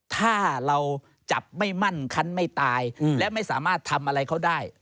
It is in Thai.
ถ้าเราจับไม่มั่นคันไม่ตายและไม่สามารถทำอะไรเขาได้